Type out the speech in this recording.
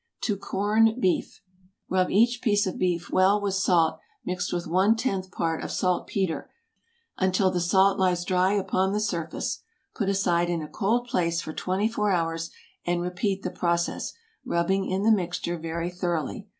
TO CORN BEEF. Rub each piece of beef well with salt mixed with one tenth part of saltpetre, until the salt lies dry upon the surface. Put aside in a cold place for twenty four hours, and repeat the process, rubbing in the mixture very thoroughly.